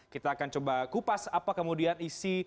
kita akan coba kupas apa kemudian isi